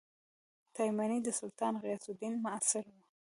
تایمنى د سلطان غیاث الدین معاصر وو.